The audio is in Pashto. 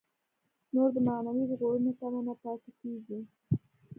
نور د معنوي ژغورنې تمه نه پاتې کېږي.